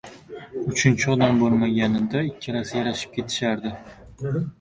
• Uchinchi odam bo‘lmaganida ikkalasi yarashib ketishardi.